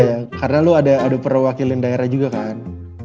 iya karena lo ada perwakilan daerah juga kan